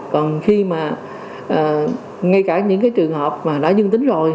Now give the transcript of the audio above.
còn khi mà ngay cả những cái trường hợp mà đã dương tính rồi